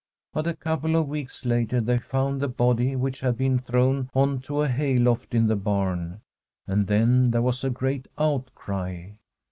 But a couple of weeks later they found the body, which had been thrown on to a hay loft in the bam, and then there was a great outcry.